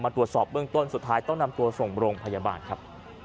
ตรวจสอบเบื้องต้นสุดท้ายต้องนำตัวส่งโรงพยาบาลครับ